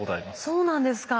そうなんですか。